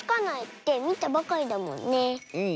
うん。